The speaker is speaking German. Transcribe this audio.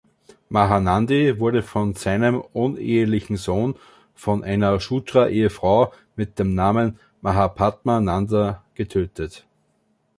Mahanandi wurde von seinem unehelichen Sohn von einer „Shudra“-Ehefrau mit dem Namen Mahapadma Nanda getötet.